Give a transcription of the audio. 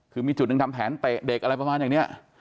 คือมีจุดหนึ่งทำแผนเตะเด็กอะไรประมาณอย่างนี้